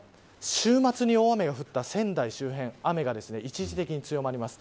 東北の週末に大雨が降った仙台周辺雨が一時的に強まります。